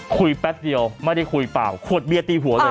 แป๊บเดียวไม่ได้คุยเปล่าขวดเบียร์ตีหัวเลย